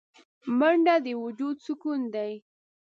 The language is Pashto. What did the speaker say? منډه د وجود سکون دی